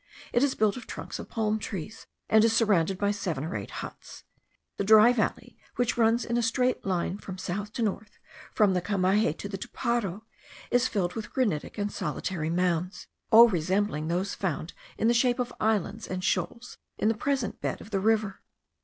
It is built of trunks of palm trees, and is surrounded by seven or eight huts. The dry valley, which runs in a straight line from south to north, from the Cameji to the Toparo, is filled with granitic and solitary mounds, all resembling those found in the shape of islands and shoals in the present bed of the river.